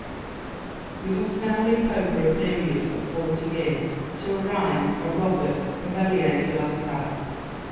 We must now leap over a period of forty years, to arrive at Robert Cavelier de la Sale.